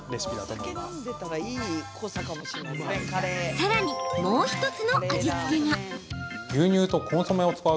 さらに、もう１つの味付けが。